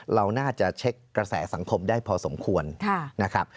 เราน่าจะเช็คกระแสสังคมได้พอสมควรนะครับ